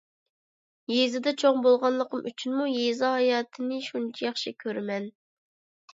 يېزىدا چوڭ بولغانلىقىم ئۈچۈنمۇ يېزا ھاياتىنى شۇنچە ياخشى كۆرىمەن.